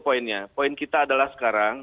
poinnya poin kita adalah sekarang